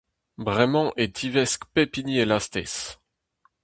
Bremañ e tivesk pep hini e lastez.